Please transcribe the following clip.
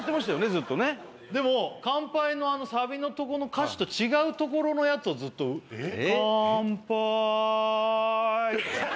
ずっとねでも「乾杯」のあのサビのとこの歌詞と違うところのやつをずっとえっ？